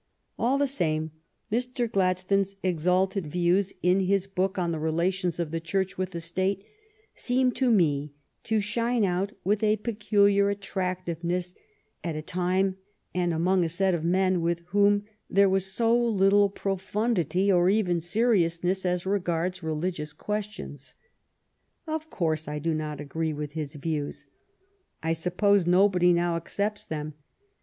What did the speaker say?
All the same, Mr. Gladstone's exalted views in his book on the relations of the Church with the State seem to me to shine out with a peculiar attractiveness at a time and among a set of men with whom there was so little profundity, or even seriousness, as regards religious questions. Of course I do not agree with his views — I suppose nobody now accepts them.